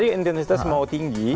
intensitas mau tinggi